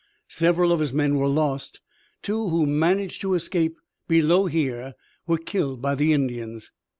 Several of his men were lost; two who managed to escape below here were killed by the Indians."